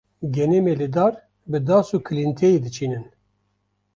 genimê li dar bi das û kîlîntiyê diçînîn